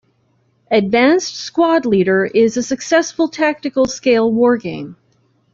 "Advanced Squad Leader" is a successful tactical scale wargame.